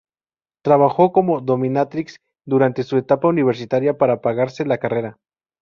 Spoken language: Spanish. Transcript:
Trabajó como dominatrix durante su etapa universitaria para pagarse la carrera.